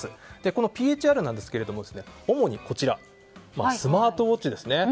このＰＨＲですが主にスマートウォッチですね